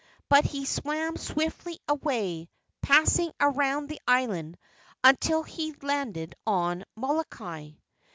But he swam swiftly away, passing around the island until at last he landed on Molokai.